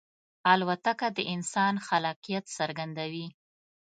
الوتکه د انسان خلاقیت څرګندوي.